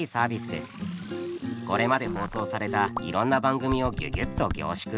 これまで放送されたいろんな番組をギュギュッと凝縮。